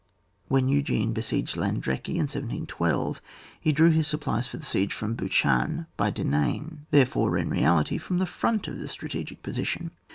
When Eugene besieged Landrecy in 1712) he drew his supplies for the siege from Bouchain by Denain ; therefore, in reality, from the front of the strategic position.